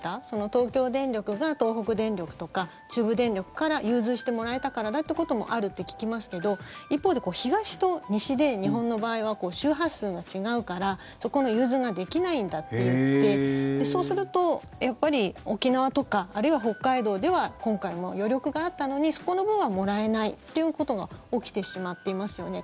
東京電力が東北電力とか中部電力から融通してもらえたからだということもあるって聞きますが一方で、東と西で日本の場合は周波数が違うからそこの融通ができないんだっていってそうすると、やっぱり沖縄とかあるいは北海道では今回、余力があったのにそこの分はもらえないということが起きてしまっていますよね。